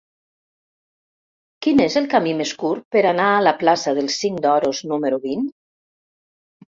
Quin és el camí més curt per anar a la plaça del Cinc d'Oros número vint?